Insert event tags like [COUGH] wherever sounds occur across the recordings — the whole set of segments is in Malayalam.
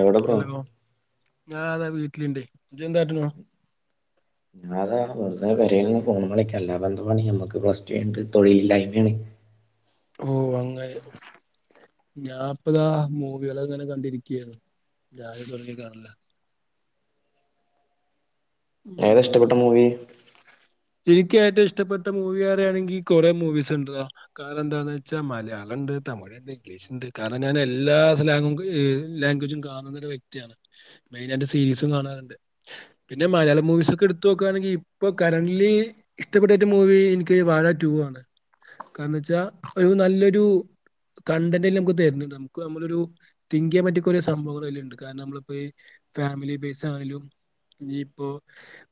എവിടെ ബ്രോ ഞാ അതെ വീട്ടിൽ ഇണ്ട് ഇജ് എന്താ കാട്ടുണു അതാണ് വെറുതെ പേരെൽ നിന്ന്‌ ഫോണിമ്മെ കളിക്ക അല്ലാതെ എന്തു പണി നമക്ക് പ്ലസ് ടു കഴിഞ്ഞിട്ട് തൊഴിൽ ഇല്ലായ്മയാണ് ഉ [UNINTELLIGIBLE] ഓ അങ്ങനെ ഞാ ഇപ്പതാ മൂവികൾ അങ്ങനെ കണ്ടിരിക്കായിരുന്നു രാവിലെ തൊടങ്ങിയ കണലാ ഏതാ ഇഷ്ടപ്പെട്ട മൂവി ഇൻക്ക് ഏറ്റവും ഇഷ്ടപ്പെട്ട മൂവി പറയാണെങ്കി കുറെ മൂവീസ് ഇണ്ടടാ കാരണം എന്താന്ന് വെച്ചാ മലയാളം ഇണ്ട് തമിഴ് ഇണ്ട് ഇംഗ്ലീഷ് ഇണ്ട് കാരണം ഞാൻ എല്ലാ സ്ലാങ്ങും ലാംഗ്വേജും കാണുന്ന ഒരു വ്യക്തിയാണ് വൈനന്റെ സിസ് ന്ന് പർണെ ഇണ്ട് പിന്നെ മലയാളം മൂവിസ് ഒക്കെ ഇട്ത്തോക്കാണെങ്കി ഇപ്പ കരന്റ്ലി ൽ ഇഷ്ടപ്പെട്ട മൂവി എനിക്ക് വാഴ ടു ആണ് കാരണംന്ന് വെച്ചാ ഒരു നല്ലൊരു കണ്ടന്റ് എല്ലാം നമുക്ക് തെരൺ ഇണ്ട് നമുക്ക് നമ്മളൊരു തിങ്ക്‌ ചെയ്യാൻ പറ്റിയ കൊറെ സംഭവങ്ങൾ അയിൽ ഇണ്ട് കാരണം നമ്മൾ ഇപ്പ ഈ ഫാമിലി ബേസ് ആണെലും ഇനി ഇപ്പോ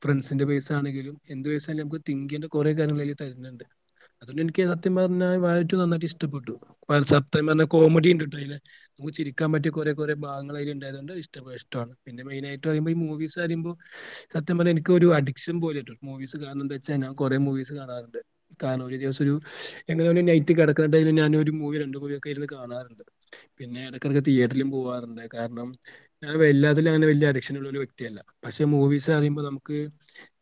ഫ്രണ്ട്സിന്റെ ബേസ് ആണെങ്കിലും എന്ത് ബേസ് ആയാലും നമുക്ക് തിങ്ക് ചെയ്യെണ്ട കുറെ കാര്യങ്ങൾ അയിൽ തര്ന്ന്ണ്ട് അതുകൊണ്ട് എനിക്ക് സത്യം പർണ വാഴ റ്റു നന്നായിട്ട് ഇഷ്ടപ്പെട്ടു സത്യം പർണാ കോമഡി ഇണ്ട്ട്ടോ അയിൽ നമുക്ക് ചിരിക്കൻ പറ്റിയ കുറെ കുറെ ഭാഗങ്ങൾ അയിൽ ഇണ്ടായൊണ്ട് ഇഷ്ടപ്പെ ഇഷ്ടാണ് പിന്നെ മെയിനായിട്ട് പറയുമ്പോ ഈ മൂവീസ് പറിമ്പോ സത്യം പറയാ എനിക്കൊരു അഡിക്ഷൻ പോലെ ആയിട്ടുണ്ട് മൂവീസ് കാരണം എന്തു വെച്ചാ ഞാൻ കുറെ മൂവീസ് കാണാർ ഇണ്ട് കാരണം ഒരു ദിവസം ഒരു എങ്ങനെ നൈറ്റ് ക കെടക്ക്ന്ന്ട്ടെലും ഞാൻ ഒരു മൂവോ രണ്ട് മൂവോ ഒക്കെ ഇര്ന്ന് കാണാർ ഇണ്ട് പിന്നെ എടക്ക് എടക്ക് തിയേറ്ററിലും പോവാർണ്ട് കാരണം ഞാൻ വല്ലാത്തിലും അങ്ങനെ വല്ലിയ അഡിക്ഷൻ ഉള്ള ഒരു വ്യക്തിയല്ല പക്ഷെ മൂവീസ് പറിമ്പം നമുക്ക്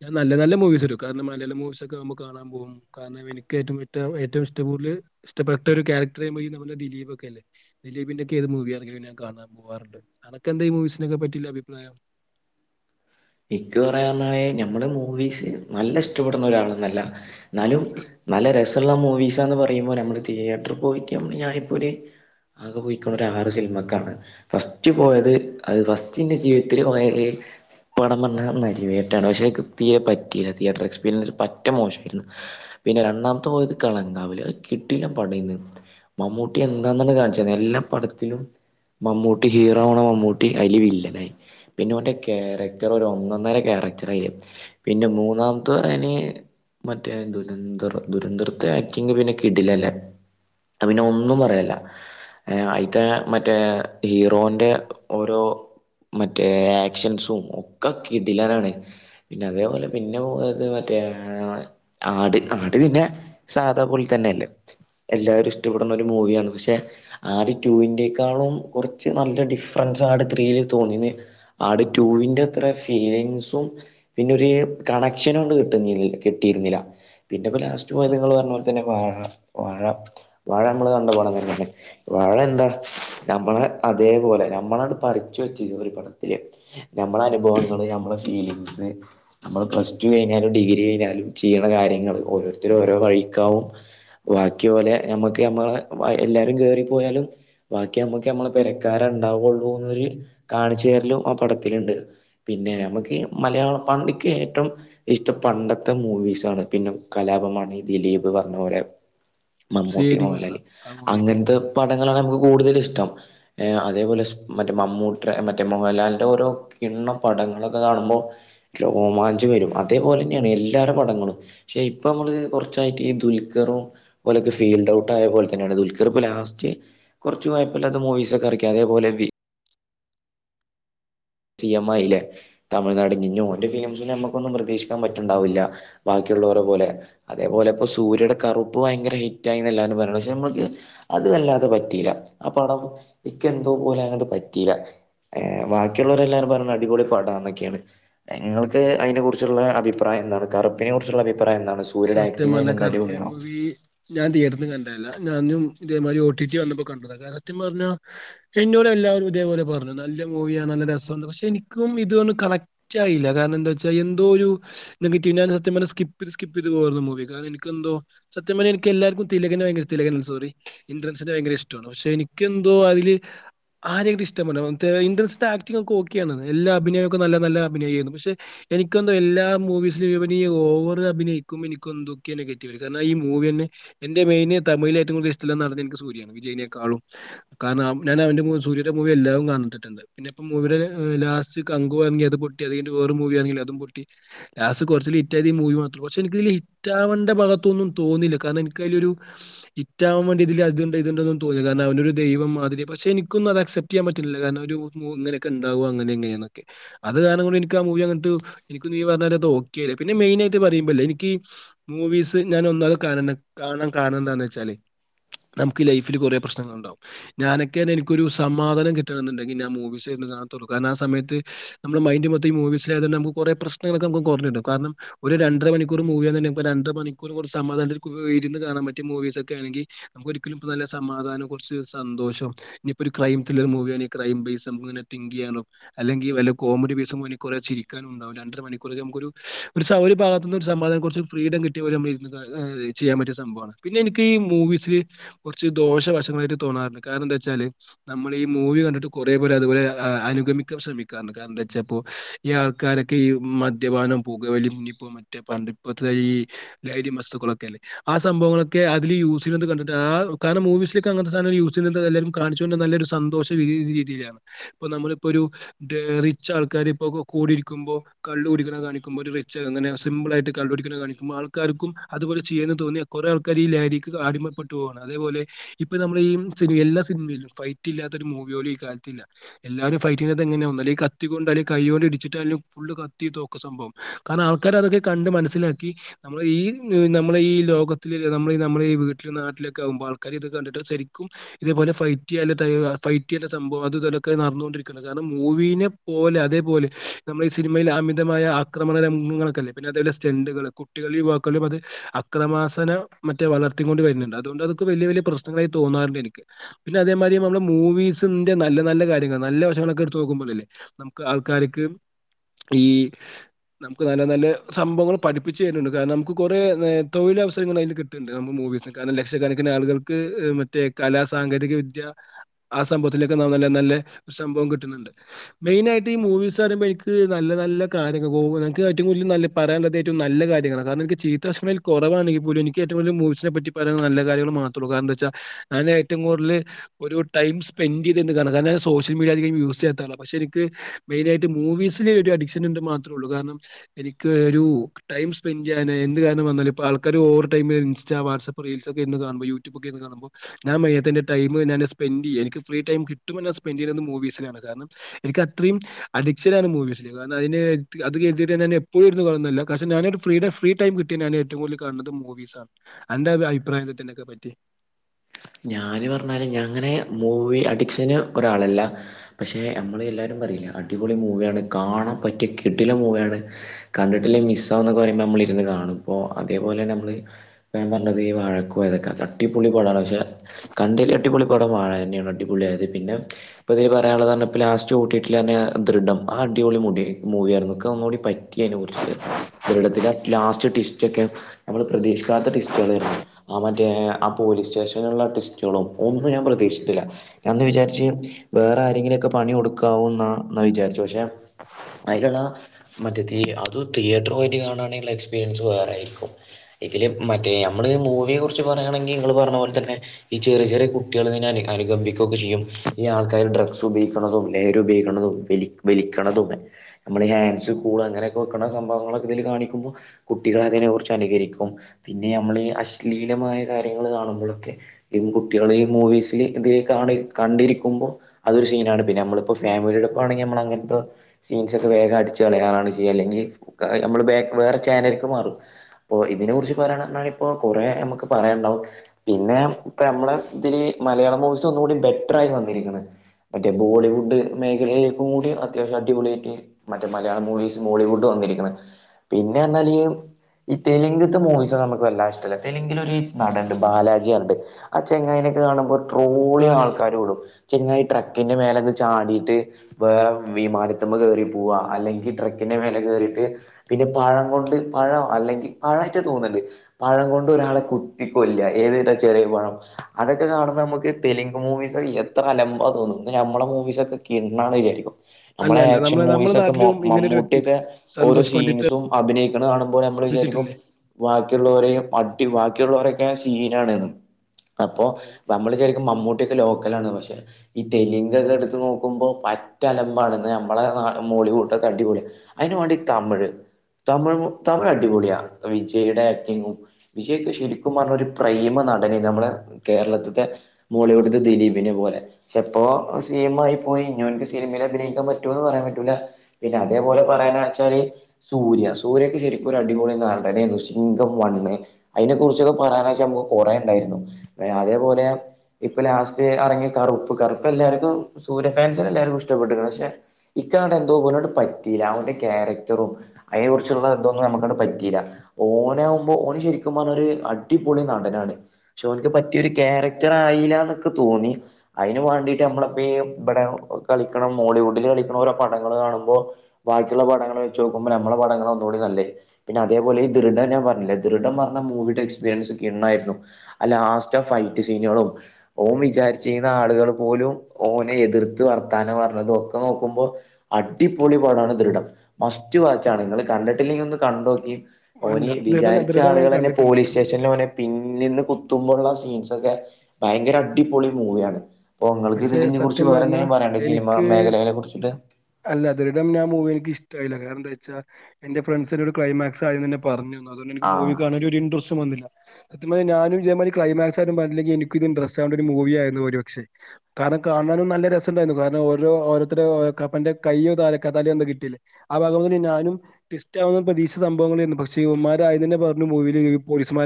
ഞ നല്ല നല്ല മൂവീസ്ട്ടോ കാരണം മലയാള മൂവീസ് ഒക്കെ ഞമ്മക്ക് കാണാൻ പോവും കാരണം എനിക്ക് ഏറ്റവും ഇഷ്ടാവും ഏറ്റവും ഇഷ്ടം കൂട്തെൽ ഇഷ്ടപ്പെട്ട ഒരു ക്യാരക്ടർ ചെയുമ്പോ നമ്മളെ ദിലീപ് കൊല്ലേ ദിലീപിന്റെ ഒക്കെ എത് മൂവി അണങ്കിലുംഞാൻ കാണൻ പോകാറുണ്ട് അനക്കെന്താ ഈ മൂവിസിനൊക്കെ പറ്റില്ല അഭിപ്രായം [UNINTELLIGIBLE] ഇക്ക് പറയാന്ന ഞമ്മളെ മൂവീസ് നല്ല ഇഷ്ടപ്പെടുന്ന ഒരാളന്നല്ല ഇന്നാലും നല്ല രസ ഇള്ള മൂവീസാന്ന് പറിയുമ്പോ നമ്മൾ തിയേറ്റർ പോയിട്ട് ഞമ്മൾ ഞാനിപ്പോ ഒര് ആകെ പോയിക്ക്ണെ ഒര് ആറ് സിനിമക്കാണ് ഫസ്റ്റ് പോയത് അത് ഫസ്റ്റ് ഇന്റെ ജീവിതത്തിൽ പോയത് പടം വന്നെർണെ നരിവേട്ടയാണ് പക്ഷെ ഇക്ക് തീരെ പറ്റീലാ തിയേറ്റർ എക്സ്പീരിയൻസ് പറ്റെ മോശായിര്ന്ന് പിന്നെ രണ്ടാമത്തെ പോയത് കിളങ്കാവിൽ അത് കിടിലെൻ പടെയ്ന്നു മമ്മൂട്ടി എന്താന്നെന്നെ കാൺച്ചെര്നം എല്ലാ പടത്തിലും മമ്മൂട്ടി ഹീറോ ആവണോ മമ്മൂട്ടി അയിൽ വില്ലനായി പിന്നെ ഓന്റെ കാരക് ടർ ഒന്നൊന്നര ക്യാരക്ടർ അയിൽ പിന്നെ മൂന്നാമത്തെ അയിൻ മറ്റേ ദുരന്തർ ദുരന്തർ ജാക്കിങ്ങ് പിന്നെ കിടിലം അല്ലേ അയ് പിന്നെ ഒന്നും പറയാ ഇല്ല ഏ അയിത്തെ മറ്റേ ഹീറോന്റെ ഓരോ മറ്റേ എക്ഷൻസും ക്കെ കിടിലാനാണ് പിന്നെ അതേപോലെ പിന്നെ പോയത് മറ്റേ ഏ ആട് ആട് പിന്നെ സാധാ പോലി തന്നെയ അല്ലേ എല്ലാവരും ഇഷ്ടപ്പെടുന്ന ഒരു മൂവിയാണ് പക്ഷെ ആട് ടൂവിന്റെക്കാളും കൊറച്ച് നല്ല- ഡിഫറൻറ് ത്രീൽ തോനിനി ആട് ടുവിന്റെ- അത്ര ഫീലിങ്സും പിന്നെ ഒരു കണക്ഷനും കൊണ്ട് കിട്ടുന്ന കിട്ടിയിരുന്നില്ല പിന്നെ ഇപ്പൊ ലാസ്റ്റ് നിങ്ങള് സത്യം പറഞ്ഞ പോലെ തന്നെ വാഴ- വാഴ വാഴ നമ്മള് കണ്ട് പടം തന്നെ ആണ് വാഴ എന്താ- നമ്മളെ അതേപോലെ നമ്മളെ പറിച്ചു വെച്ച ഈ പടത്തില് നമ്മുടെ അനുഭവങ്ങള് നമ്മളെ ഫീലിംഗസ് നമ്മള് പ്ലസ് ടു കഴിഞ്ഞാലും ഡിഗ്രി കഴിഞ്ഞാലും ചെയ്യിണ കാര്യങ്ങള് ഓരോരുത്തരും ഓരോ വഴിക്കാവും ബാക്കി പോലെ നമ്മുക്ക് നമ്മള എല്ലാരും കേറിപ്പോയാലും ബാക്കി നമ്മുക്ക് നമ്മളെ പെരക്കാര ഉണ്ടാവുള്ളൂ എന്നൊരു കാണിച്ചുരലും ആ പടത്തിലുണ്ട് പിന്നെ ആ നമുക്ക് മലയാളം വണ്ടിക്ക് ഏറ്റവും ഇഷ്ടം പണ്ടത്തെ മൂവീസാണ് പിന്നെ കലാപമാണ് ഈ ദിലീപ് പറഞ്ഞ പോലെ [INAUDIBLE] C I Mammootty D Moosa Mohanlal ആ മൂവിയൊക്കെ അങ്ങനത്തെ പടങ്ങളാണ് നമുക്ക് കൂടുതല് ഇഷ്ടം അതേപോലെ മറ്റേ മമ്മൂട്ടിടെ മറ്റേ മോഹൻലാലിന്റെ ഓരോ എണ്ണ പടങ്ങളൊക്കെ കാണുമ്പോ റോമാഞ്ചം വരും അതേപോലെ തന്നെയാണ് എല്ലാര്ട പടങ്ങളും ശ ഇപ്പൊ നമ്മള് കുറച്ചായിട്ട് ഈ ദുൽക്കറും പോലൊക്കെ ഫീൽഡ് ഔട്ട് ആയ പോലെ തന്നെയാണ് ദുൽഖർ ഇപ്പൊ ലാസ്റ്റ് കുറച്ചു കൊയ്പ്പല്ലത്ത മൂവീസൊക്കെ ഇറക്കാം അതേപോലെ ബി സി എം ആയില്ലേ തമിഴ്നാടിനിനി ഓന്റെ ഫിലിംസിനെ നമ്മുക്കൊന്നും പ്രതീക്ഷിക്ക പറ്റണ്ടാവില്ല ബാക്കിയുള്ളവരെ പോലെ അതേപോലെ ഇപ്പോ സൂര്യയുടെ കറുപ്പ് ഭയങ്കര ഹിറ്റായിന്നെല്ലാ [UNINTELLIGIBLE] ഷേ നമ്മക്ക് അത് വല്ലാതെ പറ്റീയില ആ പടം ഇക്ക എന്തോ പോലെ അങ്ങോട്ട് പറ്റിയില്ല ഏ ബാക്ക ള്ളവരെല്ലാരും പറഞ്ഞു അടിപൊളി പടാ എന്നൊക്കെയാണ് ഞൾക്ക് അയിനെ കുറിച്ചുള്ള അഭിപ്രായം എന്താണ് കറുപ്പിനെ കുറിച്ചുള്ള അഭിപ്രായ സത്യം പറഞ്ഞ കറുപ്പീ ഞാൻ തിയേറ്ററിന്ന് കണ്ടയല്ല ഞാനും ഇതേമാതിരി ഒ ടി ടി വന്നപ്പോ കണ്ടത സത്യം പറഞ്ഞ എന്നോട് എല്ലാവരും ഇതേപോലെ പറഞ്ഞു ന ല്ല മൂവിയാണ് നല്ല രസുണ്ട് പക്ഷെ എനിക്കും ഇതൊന്നും കണക്ട് ആയില്ല കാരണം എന്താച്ചാ എന്തോ ഒരു നെഗ [UNINTELLIGIBLE] സ്കി ക്ത് പോലത്ത മൂവിക്കെ എനിക്കെന്തോ സത്യം പറഞ്ഞ എനക്ക് എല്ലാർക്കും തിലകനെ ഭയങ്കര തിലക സോറി ഇന്ദ്രൻസി ഭയങ്കര ഇഷ്ടാണ് പക്ഷെ എനിക്കെന്തോ അതില് ആരെയും ഇഷ്ടപ്പെടണംപക്ഷേ ഇൻട്രസ്റ്റ് ആക്ടിങ്ങൊക്കെ ഓക്കെയാണ് എല്ലാ അഭിനയൊക്ക നല്ല നല്ല അഭിനയം ഈ പക്ഷെ എനിക്കെന്തോ എല്ലാ മൂവീസും ഇവനീ ഓ അഭിനയിക്കും എനിക്കെന്തൊക്കെയോ നെഗറ്റീവ് കാരണം ഈ മൂവിന്നെ എന്റെ മെയിന് തമിഴില് ഏറ്റവും കൂടുതൽ ഇഷ്ടള്ള നടന് എനിക്ക് സൂര്യാണ് വിജയിനെക്കാളും കാരണം ഞാൻ അവന്റെ സൂര്യന്റെ മൂവി എല്ലാം കണ്ടിട്ട്ണ്ട് ന്നെപ്പ മൂവീടെ ലാസ്റ്റ് കങ്കുവാങ്കിയത് പൊട്ടി അത് വേറ മൂവി ആണെങ്കില് അത് പൊട്ടി ലാസ്റ്റ് കുറച്ച് ഇറ്റാലി മൂവി മാ പക്ഷെ എനിക്കിതില് ഹിറ്റാവേണ്ട ഭാഗത്തൊന്നും തോന്നില്ല കാരണം എനക്ക് അതിലൊരു ഹിറ്റാവാൻ വേണ്ടിട്ടിലത് ണ്ടന്ന തോന്നില്ല കാരണം അവനൊരു ദൈവം മാതിരി പക്ഷെനിക്കൊന്നും അത് അക്സപ്റ്റ് ചെയ്യാൻ പറ്റില്ല കാരണം ഒരു ഇങ്ങനൊക്കെ ഇണ്ടാവാ അങ്ങനെങ്ങനെക്കെ അത് കാരണം കൊണ്ട് എനിക്ക് ആ മൂവി കണ്ടിട്ട് എനിക്ക് നീ പറഞ്ഞ പോലെ ഒക്കെയായി പിന്നെ മെയിനായിട്ട് പറയുമ്പോല്ലേ എനിക്ക് മൂവീസ് ഞാൻ ഒന്നാ കാണ കാണാൻ കാണണം എന്താന്ന് വെച്ചാല് നമുക്ക് ലൈഫിൽ കുറെ പ്രശ്നങ്ങള്ണ്ടാവും ഞനൊക്കെ എനക്കൊരു സമാധാനം കിട്ടണ എന്നുണ്ടങ്കി ഞാൻ മൂവീസ് കാണത്തുള്ളൂ കാരണംആ സമയത്ത് നമ്മുടെ മൈൻഡ് മൊത്തം ഈ മൂവീസിലാതൊണ്ട് നമുക്ക് കുറെ പ്രശനൊക്കെ നമുക്ക് കുറഞ്ഞു കിട്ടും കാരണം ഒരു രണ്ടര മണിക്കൂർ മൂവിയന്ന്ണ്ടെ രണ്ട് മണിക്കൂർ സമാധാനത്തിൽ ഇരുന്ന് കാണാൻ പറ്റിയ മൂവീസ് ഒക്കെ ആണെങ്കി ഒരിക്കലും ഇ നല്ല സമാധാനം കുറച്ച് സന്തോഷം ഇനിയിപ്പോ ഒരു ക്രൈം ത്ല്ലർ മൂവിയണേ ക്രൈം ബേസും നമുക്കിങ്ങനെ ങ്കി ചെയ്യാനോ അല്ലെങ്കിൽ വല്ല കോമഡി പീസും കുറെ ചിരിക്കാനും ഉണ്ടാവുല്ലോ രണ്ടര മണിക്കൂർ നമുക്കൊരു ഒരു ഒരു ഭാഗത്ത് നിന്ന് ഒരു സമാധാനം കുറച്ച് ഫ്രീഡം കിട്ടിയ നമ്മള് ചെയ്യാൻ പറ്റിയ സംഭവാണ് പിന്നെ എനിക്ക് ഈ മൂവീസി കുറച്ച് ദോഷവശങ്ങളായിട്ട് തോന്നാറുണ്ട് കാരണംന്താ വെച്ചാല് നമ്മള് ഈ മൂവി കണ്ടിട്ട് കുറേപേര് അതുപോലെ അനുഗമിക്കാൻ ശ്രമിക്കാണ് കാരണം എന്താന്ന് വെച്ചാപ്പോ ഈ ആൾക്കാരൊക്കെ ഈ മദ്യപാനം പുകവലി പിന്നപ്പോ മറ്റേ പണ്ടിപ്പത്തെ ഈ ലഹരി വസ്തുക്കളൊക്കെല്ല ആ സംഭവങ്ങളൊക്കെ അതില് യൂസ് ചെയ്യുന്നത് കണ്ട് കാരണം മൂവീസിലേക്ക് അങ്ങനത്തെ സാധനം യൂസി എല്ലാരും കാണിച്ചുകൊണ്ട് നല്ലൊരു സന്തോഷ രീതിയിലാണ് ഇപ്പൊ നമ്മളിപ്പൊരു റിച്ച് ആൾക്കാര് ഇപ്പോ കൂടിരിക്കുമ്പോ കള്ള് കുടിക്കണ കാണിക്കുമ്പോ ച്ച് അങ്ങനെ സിമ്പിളായിട്ട് കള്ളകുടിക്കണ കാണിക്കുമ്പോ ആൾക്ക്ര്ക്കും അതുപലെ ചെയ്യാന് തോന്നിയ കുറേ ആൾക്കാര് ഈ ലഹരിക്ക് അ പ്പെട്ടു പോവാണ് അതേപോലെ ഇപ്പൊ നമ്മളീ എല്ലാ സിനിമയിലും ഫൈറ്റ് ഇല്ലാത്ത ഒരു മൂവിയോലും ഈ കാലത്തില്ല എല്ലാരും ഫൈറ്റിനത്ത് എങ്ങനെയാ ഒന്നില്ലെങ്കി ഈ കത്തി കൊണ്ട അല്ലേ കൈ കൊണ്ട് ഇടിച്ചിട്ടാലും ഫുള്ള് കത്തി തോക്ക് സംഭവം കാരണം ആൾക്കാര് അതൊക്കെ കണ്ട് മനസ്സിലാക്കി നമ്മൾ ഈ നമ്മളെ ഈ ലോകത്തില് നമ്മളീ നമ്മളെ ഈ വീട്ടിൽ നാട്ടിലൊക്കെ ആകുമ്പോ ആൾക്കാര് ഇത് കണ്ടിട്ട് ശരിക്കും ഇതേ പോലെ ഫൈറ്റ് ചെയ്യൽ ഫൈറ്റ് ചെയ്യണ്ട സംഭവാ നടന്നുകൊണ്ടിരിക്കണ്ട് കാരണം മൂവീനെ പോലെ അതേപോല നമ്മള് ഈ സിനിമേൽ അമിതമായി ആക്രമണ ങ്ങളല്ലേ പിന്നെ അതേപോലെ സ്റ്റണ്ട്കള് കുട്ടികളീവാക്കും അത് അക്രമാസന മറ്റേ വളർത്തിക്കൊണ്ട് വര് ണ്ട് അതുകൊണ്ട് വലിയ വലിയ പ്രശ്നായി തോന്നാറുണ്ട് എനിക്ക് പിന്നെ അതേമാരി നമ്മ മൂവീസിന്റെ നല്ല നല്ല കാര്യം നല്ല വശങ്ങളൊക്കെ എടുത്ത് നോക്കുമ്പോഴല്ലേ നമുക്ക് ആൾക്കാർക്ക് ഈ നമുക്ക് നല്ല നല്ല സംഭവങ്ങൾ പഠിപ്പിച്ച് തരുന്നുണ്ട് കാരണം നമുക്ക് കുറെ തൊഴിലവസരങ്ങൾ അതിൽ കിട്ട്ണ്ട് നമ്മ മൂവി കാരണം ലക്ഷക്കണക്കിന് ആളുകൾക്ക് മറ്റേ കലാ സാങ്കേതിക വിദ്യ ആ സംഭവത്തിലൊക്കെ നല്ല നല്ല സംഭവം കിട്ടുന്നുണ്ട് മെയിൻ ആയിട്ട് ഈ മൂവീസ് പറയുമ്പോൾ എനിക്ക് നല്ല നല്ല കാര്യ എനിക്ക് ഏറ്റവും കൂടുതൽ പറയാനുള്ളത് നല്ല കാര്യങ്ങളാണ് കാരണം ചീത്ത വശങ്ങൾ കുറവാണെങ്കിൽ പോലും എനിക്ക് റ്റവും കടുത മൂസിനെറ്റി നല്ല കാര്യങ്ങള് മാത്രൂര എന്താ വെച്ചാ ഞാൻ ഏറ്റവും കൂടുതൽ ഒരുടൈം സ്പെൻഡ് ചെയ്ത് കാര സോഷ്യൽ മീഡിയ യൂസ് ചെയ്യാത്ത പക്ഷെ എനിക്ക് മെയിനായിട്ട് മൂവീസിൽ ഒരു അഡിക്ഷൻ ഉണ്ട് മാത്രേള്ളൂ കാരണം എനിക്ക് ഒരു ടൈം സ്പെൻഡ ചെയ്യാന് എന്ത് കാരണം വന്നാലും ഇ ആൾക്കാർ over time insta WhatsApp reels ഒക്കെന്ന് കാണുമ്പോ യൂട്യൂബൊക്കെന്ന് കാണുമ്പോ ഞാൻ മയത്തിന്റെ ടൈ സ്പെൻറ് ചെയ്യ എനി ഫ്രീ ടൈ കിട്ടും സ്പെൻഡ്‌ ചെയ്യുന്ന മൂവീസാണ് കാരണം എനിക്ക് അത്രയും അഡിക്ഷനാണ് മൂവീസി കാരണംത്ട്ട ഞാൻ എപ്പോഴും കാണുന്നില്ല പക്ഷെ ഞാന ഫ ഫ്രീ ടൈം കിട്ടിയ ഞാൻ ഏറ്റവും കൂടുതൽകാണുന്നത് മൂവീസ ആ എന്റെറെ അഭിപ്രായത്തിനൊക്കെ പറ്റി ഞാന് പറഞ്ഞാല് ഞങ്ങനെ മൂവി അഡിക്ഷന് ഒരാളല്ല പക്ഷെ നമ്മള് എല്ലാവരും അടിപൊളി മൂവിയാണ് കാണാൻ പറ്റിയ കിഡിലാൻ മൂവിയാണ് കണ്ടിട്ടില്ലേ മിസ്ക്കെ പറയ്പ മ്മ ഇരുന്ന് കാണും ഇപ്പോൾ അതേപോലെ നമ്മള് പേൻ പറഞ്ഞത് ഈ വഴക്കോ ഇതൊക്കെ അടിപൊളി പടാണ് പക്ഷെ കണ്ടെൽ അടിപൊളി പടം വാഴ തന്നെയാണ് അടിപൊളിയായത് പിന്നെ ഇപ്പൊ ഇതില് പറയാനുള്ളത ഇ ലാസ്റ്റ് കൂട്ടിയിട്ട ത ദൃഢം ആ അടിപൊളിമൂവി മൂവ ആയിരുന്നു ഒന്നുകൂടി പറ്റി അതിനെ കുറിച്ചിട്ട് ഇ ലാസ്റ്റ് ടിസ്റ്റ് ഒക്കെ നമ്മൾ പ്രതീക്ഷ ക്കാത്ത ടിസ്റ്കളായിരുന്നു ആ മറ്റേ ആ പോലീസ് സ്റ്റേഷൻ ടിസ്റ്റുകളും ഒന്നും ഞാൻ പ്രതീക്ഷിട്ടില്ലഞാന്ന് വിചാരിച്ച് വേറെ ആരെങ്കിലുംമൊക്കെ പണി കൊടുക്കാ ആന്ന എന്നാ വിചാരിച്ചു പക്ഷേ അതിലുള്ള മറ്റ അത് തിയേറ്റർ വട്ട് കാണുകയാണെങ്കുള്ള എക്സ്പീരിയൻസ് വേറൊയിരിക്കും ഇതില് മറ്റേ നമ്മള് മൂവിയെ കുറിച്ച് പറയയാണെങ്കിൽ നിങ്ങങ്ങള് പറഞ്ഞ പോലെ തന്നെ ഈ ചെറിയ ചെറിയ കുട്ടികൾ ഇതിനെ അനുുകമ്പിക്കുകൊെ ചെയ്യുംഈ ആൾക്കാര് ഡ്രഗ്സ് ഉപയിക്കുന്ന നേ ഉപയലിക്കണേ നമ്മൾ ഹൻസ് കൂൾ അങ്ങനെയൊക്കെ വെക്കണ സംഭവങ്ങളൊെ ഇൽ കാണിക്കുമ്പോ കുട്ടികള അതിനെ കുുറിച്ച് അനുകരിക്കും പിന്നെ നമ്മൾഈ അശ്ലീലമായ കാര്യങ്ങൾ കാണുമ്പോഴൊക്കെ കുട്ടികള് ഈ മൂവീസിൽ ഇതി കണ്ടിരിക്കുമ്പോ അതൊരു സീനാണ് പിന്നെ നമ്മളിപ്പോ ഫാമ വീരോടൊക്കവാണെങ്കിൽ നമ്മൾ അങ്ങനത്തെ സീൻസൊക്കെ വേഗ അടിച്ച് കളയറാണ് ചെയ്യുക അല്ലെങ്കിൽ നമ്മള് വേറെ ചാനലക്ക് മാറും അപ്പൊ ഇതിനെ കുുറിച്ച് പറയണ ഇപ്പോ കൊറ നമുക്ക് പറയാൻ പിന്നെ ഇ നമ്മളെ ഇതില് മലയാളം മൂവിീസ് ഒന്നുംുകൂടി ബെറ്റർായി വന്നിരിക്കണ് മറ്റേ ബോളിവുഡ് മേഖലയിലേക്കും കൂടി അത്യാവശ്യം അടിപൊളിയായിട്ട് മറ്റേ മലയാള മൂവീസ് ബോിവുഡും വന്ന പിന്നൊല് ഈ തെലുങ്ത്ത് മൂവിീസ നമുക്ക് വല്ലാ ഇഷ്ടമല്ല തെലുങ്കിലൊ ഒരുഈ നടുണ്ട് ബാലാജിയണ്ട് ആ ചെങ്ങൈനൊക്കെ കാണുമ്പോൾ ട്രോളി ബാലയ്യ. ആൾക്കാർ കടും ചങ്ങായി ട്രക്കിന്റെ മേല ചാടിയിട്ട് വേറെ വിമാനത്തുമ്പ് കറി പോവാ അല്ലെങ്കിൽ ട്രക്കിന്റെ മേലെ കറിട്ട് പിന്നെ പഴം കൊണ്ട് പഴം അല്ലെങ്കിൽ പഴമായിട്ട് തോന്നുന്നുണ്ട് പഴം കൊണ്ട് ഒരാളെ കുത്തിക്കൊല്ല ഏ ചറിയ കുഴണം അതൊക്കെ കാണ്പ നമുക്ക് തെലുങ്ക് മൂവിീസ് എത്ര അലമ്പ തോന്നുന്നു നമ്മെ മൂവീസൊക്കെ കിണ അയ്യായിരിക്കും അല്ല, നമ്മളെ അല്ല. ആക്ഷൻ നമ്മളെ മൂവിീസ ഒക്കെ നാട്ടിലും ഇങ്ങനൊരു വ്യക്തിയിണ്ട്. മമ്മൂട്ടിയൊക്കെ ഓരോ സന്തോഷ് പണ്ഡിറ്റ് സീൻസും അഭിനയിക്കുന്നത് കാണുമ്പോൾ നമ്മള് വിരിക്ക ശ്രദ്ധിച്ചിട്ടില്ലേ? ബാക്കിയുള്ളവര അട്ടി ബാക്കിയുള്ളവരെ ീന അപ്പോ അതെ, അതെ. നമ്മള് ശരിക്കും മമ്മൂട്ട ക്കെ ലോക്കലാണ് പക്ഷെ ഈ തെലുങ്ക ഒക്കെ എടുത്ത് നോക്കുമ്പോ പറ്റലമ്പാാണ് നമ്മളെ ോളിവുഡെ അടിപൊളി അതിനന്ുവേണ്ടി തമിഴ് തമിഴ് തമിഴ് അടിപൊളിയാ വിജയുടെ ആക്ടിങ്ങും വിജയ്ക്കെ ശരിക്കും പറഞ്ഞ ഒരു പ്രേമ നടന ന കേരളത്തെ മോളിവുഡ ദിലീപിനെ പോലെപ്പോ സ പോയി ക്ക് സിനിമയിൽ അഭിനയിക്കാൻ പറ്റൂന്ന് പറയാൻ പറ്റൂല പിന്നെ അതേപോലെ പറയെച്ചാല് സൂര്യ സൂര്യ ശരിക്കും ഒരു അടിപൊളി നം വണ് അതിനെ കുറിച്ചൊക്കെ പറയാനെച്ച നമുക്ക് കുറെ ണ്ടായിരുന്നു അതേപോലെ ഇപ്പൊ ലാസ്റ്റ് ഇറങ്ങിയ കറുപ്പ് കറുപ്പ് എല്ലാർക്കും സൂര്യ ഫൻസ എല്ലാവർക്കും ഇഷ്ടപ്പെട്ട പക്ഷെ എ എന്തോ പോല പറ്റീല്ല അവടെ ക്യാരക്ടറും അതിനെ കുറിച്ചുള്ള എന്തൊന്നും നമുക്ക പറ്റീല്ല ഓനാകുമ്പോൾ ഓന ശരിക്കും പറഞ്ഞൊ ഒരു അടിപൊളി നടനാണ് പക്ഷ അവനിക്ക് പറ്റിയൊ ഒരു ക്യാരക്ടർ ആയില്ല എന്നൊക്കെ തോന്നി അതിന് വേണ്ടിട്ട് നമ്മളപ്പ ഇവിടെ കളിക്കണം ബോളിവുഡിൽ കളിക്കണം ഓരോ പടങ്ങൾ കാണുമ്പോ ബാക്കിയുള്ള പടങ്ങൾ വെച്ച് നോക്കുമ്പോൾ നമ്മളെ പടങ്ങള ല്ലേ പിന്നെ അതേപലെഈ ദൃഡം ഞാൻ പറഞ്ഞില്ല ദൃഡം പറഞ്ഞ മൂവിയുടെ എക്സ്പീരിയൻസ്െണ്ണായിരുന്നു ലാസ്റ്റ്ഫ് ഫൈറ്റ് സീനുകളും ഓം വിചാരിച്ചുന്ന ആളുകൾ പോലും ഓനെ എതിർത്ത് പറ പ്രത്താനം പറഞ്ഞതൊക്കെ നോക്കുമ്പോ അടിപൊളിപാടാണ് ദൃഢം മസ്റ്റ് വാച്ചാണ നിങ്ങ കണ്ടിട്ടില്ലെങ്കിൽ ഒന്ന് കണ്ടോക്കി അല്ല. ഓനി ദൃഢൻ വിചാരിച്ച ദൃഢൻ ഞാൻ ആളുകൾന്നെ കണ്ടിട്ടുണ്ട്. പോലീസ് സ്റ്റേഷനിൽ ഓനെ പിന്നന്ന് ത്തുമ്പോുള്ള സീൻസ് ഒക്കെ ഭയങ്കര അടിപൊളി മൂവിയാണ് ങ്ങൾക്ക് പക്ഷെ ഇതിതിനെ കുറിച്ച് സത്യം വേറെ പറഞ്ഞാ എന്തെങ്കും പറയാണ്ട സിനി എനിക്ക് മേഖലെ കുറിച്ചിട്ട് അല്ല അതരിടം ഞാ മൂവി എനിക്ക്ഷ്ടല്ല കാരണം എന്താ വച്ചാ എന്റെ ഫ്രണ്ട്സിന്റെ ക്ലൈമാക്സ് ആദ്യം തന്നെ പറഞ്ഞുു അതൊ എനി മൂവി ആഹ് കാണാന ഒരു ഇൻറസ്റ്റ് വന്നില്ല സത്യ ഞാനും ഇതേതി ക്ലൈമാക്സ് ആരും പറഞ്ഞില്ലെങ്ക എനിക്ക ഇത് ഇൻ ഡ്രസ് ആാവണ്ട ഒരു മൂവ ആായിരുന്നു ഒരു പക്ഷെ കാരണം കാണാനും നല്ല രസംുണ്ടായിരുന്നു കാരണം ഓരോ ഓരോരു കപ്പന്റെ കയ്യോ ത കത്താലയോ ഒന്നും കിട്ടിയിേ ആ ഭാഗ ഞാനും വിസ്റ്റ് ആ പ്രതീക്ഷിച്ച സംഭവങ്ങളായിരുന്നു പക്ഷെമാരായ തന്നെ പറഞ്ഞുൂ പോലീസ്മാ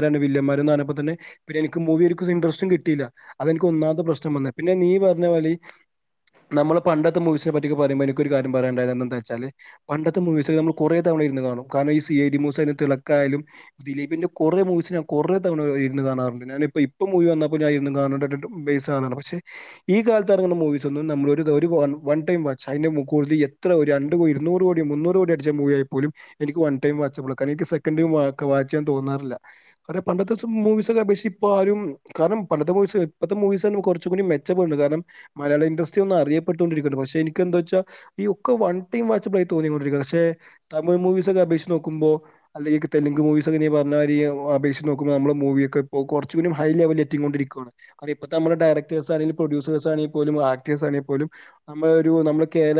മാരപ്പോന്നെ എനിക്ക് മൂവി ഇൻട്രസ്റ്റ കട്ടയി അത എനിക്ക് ഒന്നാത്തെ പ്രശ്നം വന്നട്ട് പിന്നെ നീ പറഞ്ഞ പോലെ നമ്മള് പണ്ടത്തെ മവിസിന പറ്റിൊെ പറയ്പോൾ എനൊ കാര്യണ്ടായത് എന്താ വച്ചാ പണ്ടത്തെ മൂവിീ നമ്മൾ കുറ തവണ കാണ കാരണം ഈ സി മൂ തിളക്കായാലും ദിലീപിന്റെ കൊറെ മൂസിന കൊറെ തവണ ഇരുന്ന കാണും ാനപ്പോ ഇപ്പോ മൂവി വന്നപ്പോഞ് ബ പക്ഷെ ഈ കാലത്ത് ഇറങ്ങുന്ന മൂവിീസ്ന്നും നമ്മള ടൈ അതിന്റെ മുൂർതി എത്ര ഒരു രണ്ട പോയി മൂറ് കോടി മുന്നൂറ് കോടി അടിച്ച മൂവ ആയി പോലും എനിക്ക് വൺടൈം വാച്ചപ്പോ കാരണംനിക്ക് സെക്കൻഡും വാൻ തോന്നാറില്ല പണ്ടത്തെ ദിവസം മൂവീസ ഒക്കെ അപേക്ഷി ഇപ്പോ ആരും കാരണം പണ്ടത്തെ മൂവീസ് ഇപ്പത്തെ മൂവീസ് കുറച്ച കൂടി കാരണം മലയാള ഇൻഡസ്ട്രി ഒന്ന് അറിയപ്പെട്ടണ്ടിരിക്കണ്ട് പക്ഷെ എനിക്ക് എന്താ വെച്ചാ ഈ ഒക്കെ വൺ ടൈം വാട്സപ്പ് തോന്നിക്കൊണ്ടിരിക്കുക പക്ഷെ തമിഴ് മൂവിസ് ഒക്കെ അപേക്ഷിച്ച് നോക്കുമ്പോ അല്ലെങ്കിൽ തെലുങ്ക് മൂവീസ് ഒക്കെ നീ പറഞ്ഞമാതിരി അപേക്ഷിച്ച് നോക്കുമ്പോ നമ്മ മൂവിയൊക്കെ കുറച്ചു കൂടെ ഹൈ ലെവൽ എത്തി കൊണ്ടിരിക്കാണ് കാരണം ഇപ്പഴ്‌ത്തേ നമ്മുടെ ഡയറക്ടഴ്സ് ആരും പ്രൊഡ്യൂസേഴ്സ് ആണെങ്കിൽ പോലും ആക്ടേഴ്സ് ആണങ്കിൽ പോലും നമ്മ ഒരു നമ്മ കേര